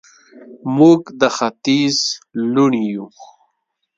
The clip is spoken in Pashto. موږ د ختیځ لوڼې یو